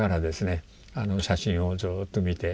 写真をずっと見て。